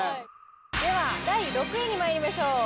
では第６位にまいりましょう。